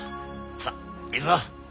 さっ行くぞ！